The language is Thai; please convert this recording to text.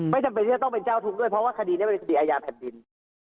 จำเป็นที่จะต้องเป็นเจ้าทุกข์ด้วยเพราะว่าคดีนี้เป็นคดีอาญาแผ่นดิน